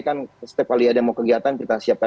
kan setiap kali ada mau kegiatan kita siapkan